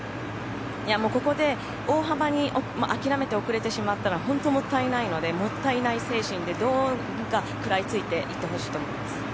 ここで大幅に諦めて遅れてしまったら本当、もったいないのでもったいない精神でどうか食らいついていってほしいと思います。